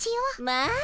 まあ！